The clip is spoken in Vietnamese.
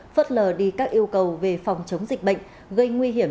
phớt lờ đi các yêu cầu về phòng chống dịch bệnh gây nguy hiểm